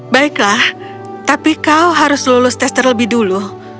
baiklah tapi kau harus lulus tes terlebih dulu